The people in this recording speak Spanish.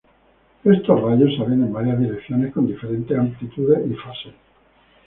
Estos rayos salen en varias direcciones con diferentes amplitudes y fases.